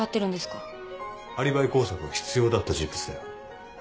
アリバイ工作が必要だった人物だよ。